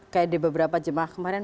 kayak di beberapa jemaah kemarin